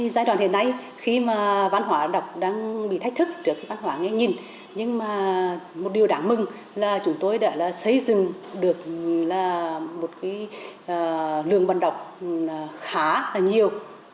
giai đoạn hiện nay khi mà văn hóa đọc đang bị thách thức trước khi văn hóa nghe nhìn nhưng mà một điều đáng mừng là chúng tôi đã xây dựng được một lường văn đọc khá là nhiều